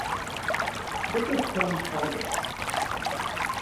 This is Skolem's paradox.